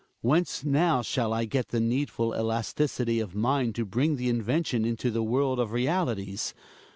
Whence now shall I get the needful elasticity of mind to bring the invention into the world of realities.